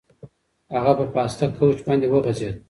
هغه په پاسته کوچ باندې وغځېد.